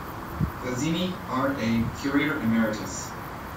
Fazzini, R. A., curator emeritus.